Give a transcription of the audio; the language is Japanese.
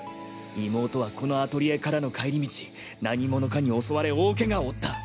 妹はこのアトリエからの帰り道何者かに襲われ大怪我を負った。